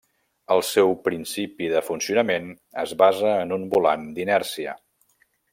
El seu principi de funcionament es basa en un volant d'inèrcia.